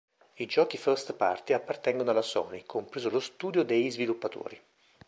I giochi "First Party" appartengono alla Sony compreso lo studio dei sviluppatori.